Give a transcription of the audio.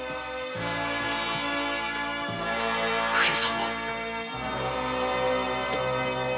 上様。